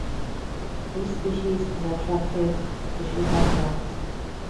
This species is attracted to sugar traps.